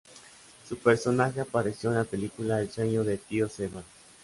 Su personaje apareció en la película "El Sueño de Tío Sebas".